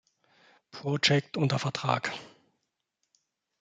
Project, unter Vertrag.